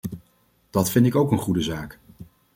Dat vind ik ook een goede zaak.